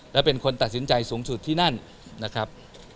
และเป็นคนตัดสินใจสูงสุดที่นั่นนะครับ